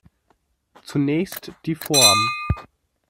Zunächst die Form.